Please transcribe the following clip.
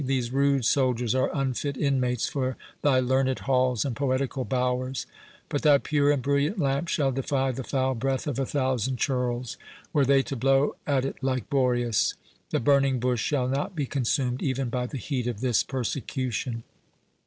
these rude soldiers are unfit inmates for thy learned halls and poetical bowers; but thy pure and brilliant lamp shall defy the foul breath of a thousand churls, were they to blow at it like Boreas. The burning bush shall not be consumed, even by the heat of this persecution."